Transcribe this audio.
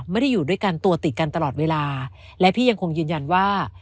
อยู่ด้วยกันตัวติดกันตลอดเวลาและพี่ยังคงยืนยันว่า